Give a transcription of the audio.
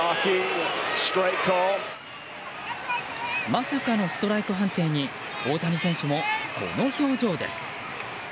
まさかのストライク判定に大谷選手もこの表情です。